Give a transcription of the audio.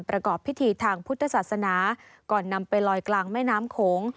ประกอบพิธีทางพุทธศาสนาก่อนนำไปลอยกลางแม่น้ำโขง